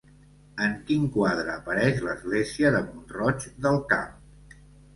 En quin quadre apareix l'església de Mont-roig del Camp?